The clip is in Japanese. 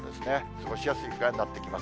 過ごしやすいぐらいになってきます。